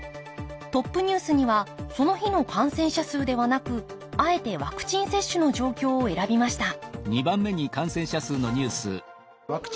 トップニュースにはその日の感染者数ではなくあえてワクチン接種の状況を選びました